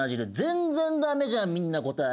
「全然駄目じゃんみんな答え。